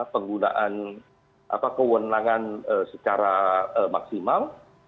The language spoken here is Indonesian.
penggunaan kewenangan secara maksimal